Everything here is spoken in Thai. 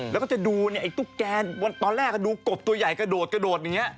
แล้วก็จะดูเนี่ยไอ้ตุ๊กแกตอนแรกดูกบตัวใหญ่กระโดดกระโดดอย่างนี้